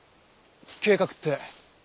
計画って？